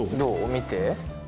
見て。